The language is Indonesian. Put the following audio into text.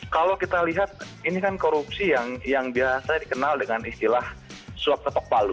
kalau kita lihat ini kan korupsi yang biasa dikenal dengan istilah suap setok palu